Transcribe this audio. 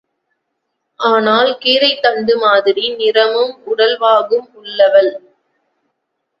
ஆனால் கீரைத்தண்டு மாதிரி நிறமும், உடல்வாகும் உள்ளவள்.